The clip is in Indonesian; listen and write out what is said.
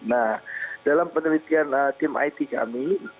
nah dalam penelitian tim it kami